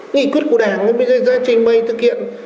nghị quyết của đảng nó mới ra trên mây thực hiện